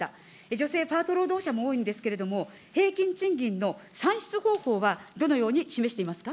女性パート労働者も多いんですけれども、平均賃金の算出方法はどのように示していますか。